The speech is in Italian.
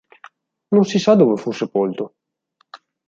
Non si sa dove fu sepolto.